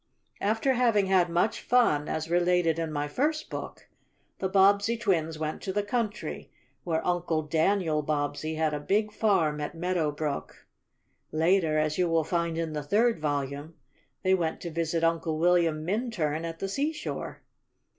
After having had much fun, as related in my first book, the Bobbsey twins went to the country, where Uncle Daniel Bobbsey had a big farm at Meadow Brook. Later, as you will find in the third volume, they went to visit Uncle William Minturn at the seashore.